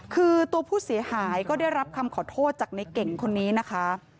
คือตัวผู้เสียหายก็ได้รับคำขอโทษจากในเก่งคนนี้นะคะ